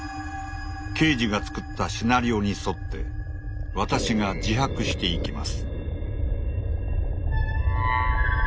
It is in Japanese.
刑事が作ったシナリオに沿って私が自白していきます。